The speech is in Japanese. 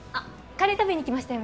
カレー食べに来ましたよ